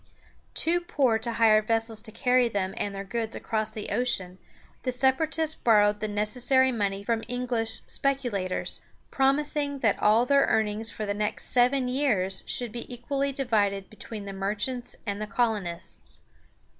Too poor to hire vessels to carry them and their goods across the ocean, the Separatists borrowed the necessary money from English speculators, promising that all their earnings for the next seven years should be equally divided between the merchants and the colonists.